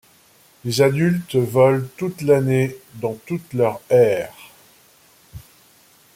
Les adultes volent toute l'année dans toute leur aire.